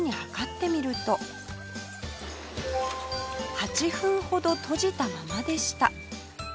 ８分ほど閉じたままでした